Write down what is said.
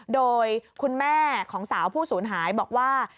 โดยคุณแม่ของสาวผู้สูญหายบอกว่า